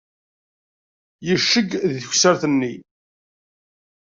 Yecceg deg teksart-nni.